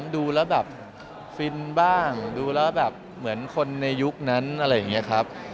ดูแล้วแบบฟินบ้างดูแล้วแบบเหมือนคนในยุคนั้นอะไรอย่างนี้ครับ